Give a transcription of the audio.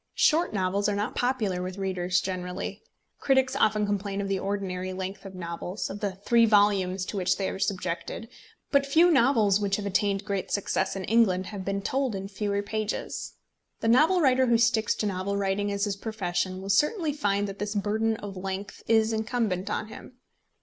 Short novels are not popular with readers generally. Critics often complain of the ordinary length of novels, of the three volumes to which they are subjected; but few novels which have attained great success in England have been told in fewer pages. The novel writer who sticks to novel writing as his profession will certainly find that this burden of length is incumbent on him.